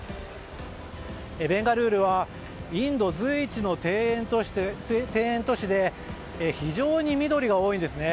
ベンガルールはインド随一の庭園都市で非常に緑が多いですね。